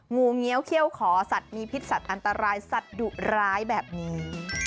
งูเงี้ยวเขี้ยวขอสัตว์มีพิษสัตว์อันตรายสัตว์ดุร้ายแบบนี้